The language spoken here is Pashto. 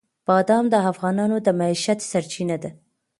بادام د افغانانو د معیشت سرچینه ده.